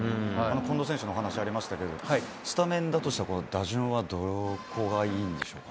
近藤選手のお話ありましたけど、スタメンだとしたら、打順はどこがいいんでしょうか。